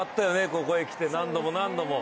ここへ来て何度も何度も。